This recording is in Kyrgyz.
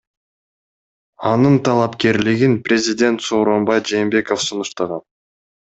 Анын талапкерлигин президент Сооронбай Жээнбеков сунуштаган.